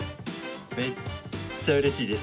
めっちゃうれしいです。